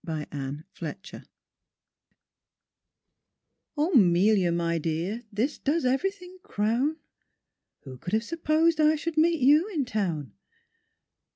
Amen!" 1882. THE RUINED MAID "O 'Melia, my dear, this does everything crown! Who could have supposed I should meet you in Town?